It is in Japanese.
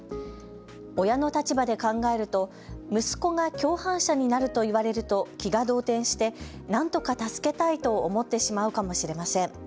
親の立場で考えると息子が共犯者になると言われると気が動転してなんとか助けたいと思ってしまうかもしれません。